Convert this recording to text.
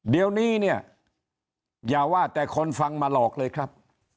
เดี๋ยวนี้เนี่ยอย่าว่าแต่คนฟังมาหลอกเลยครับ